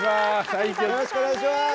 よろしくお願いします。